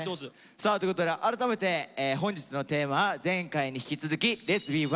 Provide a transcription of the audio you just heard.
さあということで改めて本日のテーマは前回に引き続き「Ｌｅｔ’ｓｂｅｏｎｅ」。